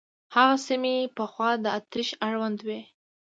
هغه سیمې پخوا د اتریش اړوند وې.